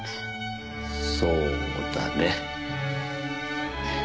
そうだね。